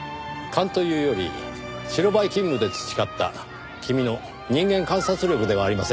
勘というより白バイ勤務で培った君の人間観察力ではありませんかねぇ？